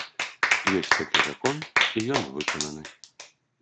Ёсць такі закон, і ён выкананы.